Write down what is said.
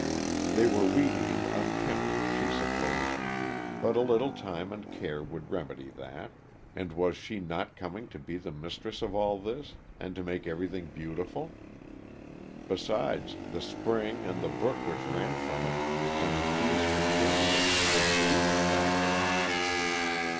They were weedy and unkempt, she supposed, but a little time and care would remedy that; and was she not coming to be the mistress of all this, and to make everything beautiful? Besides, the spring, and the brook which ran from it, and the trees which shaded it, were the chief attractions.